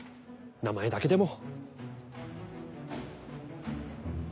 名前だけでも。